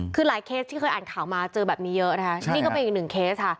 คือหลายเคสที่อ่านข่าวมาเจอแบบนี้เยอะนิก็เป็นอย่างอีกหนึ่งเคส